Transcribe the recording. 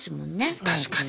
確かに。